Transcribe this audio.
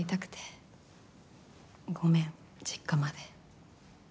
ごめん実家まで。